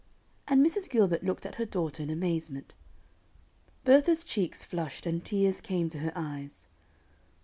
and Mrs. Gilbert looked at her daughter in amazement. Bertha's cheeks flushed, and tears came to her eyes.